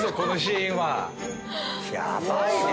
ヤバいね。